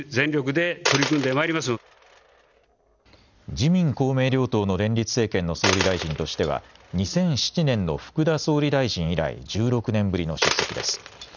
自民・公明両党の連立政権の総理大臣としては２００７年の福田総理大臣以来１６年ぶりの出席です。